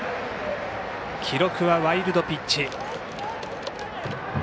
記録はワイルドピッチ。